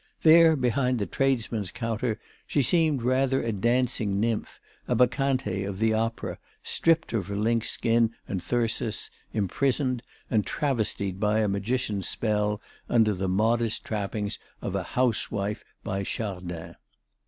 There, behind the tradesman's counter, she seemed rather a dancing nymph, a bacchante of the opera, stripped of her lynx skin and thyrsus, imprisoned, and travestied by a magician's spell under the modest trappings of a housewife by Chardin.